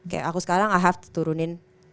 kayak aku sekarang i have turunin